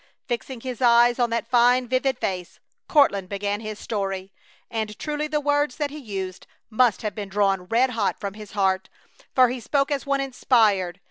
Fixing his eyes on that fine, vivid face, Courtland began his story; and truly the words that he used must have been drawn red hot from his heart, for he spoke as one inspired.